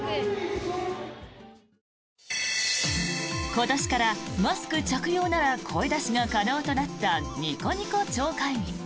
今年からマスク着用なら声出しが可能となったニコニコ超会議。